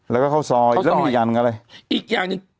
แล้วก็ข้าวซอยข้าวซอยแล้วมีอีกอย่างอะไรอีกอย่างยัง